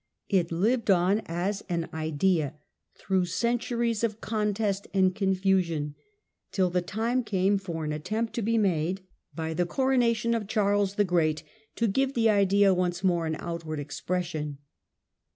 It lived on as an idea through centuries of contest and confusion, till the time came for an attempt to be made, 14 THE DAWN OF MEDIAEVAL EUROPE by the coronation of Charles the Great, to give the idea once more an outward expression.